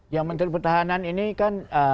ya menteri pertahanan ini kan